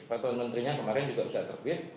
peraturan menterinya kemarin juga sudah terbit